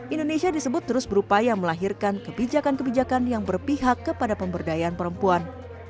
indonesia disebut terus berupaya melahirkan kebijakan kebijakan yang berpihak kepada pemberdayaan perempuan